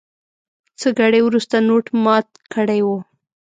څه ګړی وروسته نوټ مات کړی و.